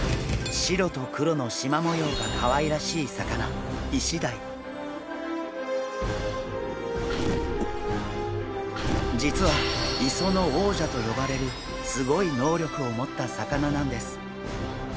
白と黒のしま模様がかわいらしい魚実は磯の王者と呼ばれるすごい能力を持った魚なんです！